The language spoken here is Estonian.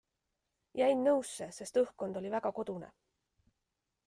Jäin nõusse, sest õhkkond oli väga kodune.